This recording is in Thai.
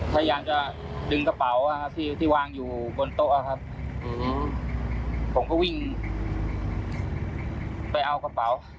โต๊ะหยิบ